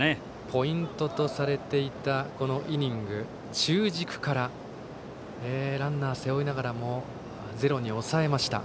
ポイントとされていたこのイニング中軸からランナーを背負いながらゼロに抑えました。